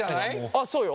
あっそうよ！